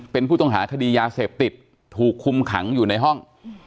เป็นผู้ต้องหาคดียาเสพติดถูกคุมขังอยู่ในห้อง